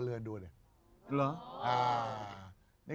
เริ่มดูดิ